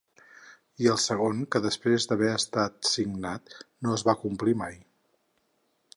I el segon, que després d’haver estat signat no es va complir mai.